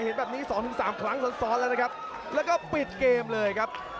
เห็นแบบนี้๒๓ครั้งซ้อนแล้วก็ปิดเกมเลยครับ